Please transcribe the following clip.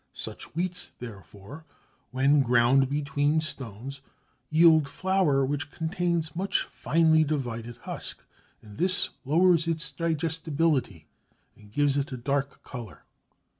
Such wheats therefore, when ground between stones, yield flour which contains much finely divided husk, and this lowers its digestibility and gives it a dark colour.